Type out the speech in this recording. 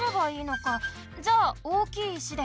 じゃあ大きい石で。